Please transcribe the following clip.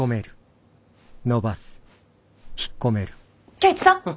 圭一さん！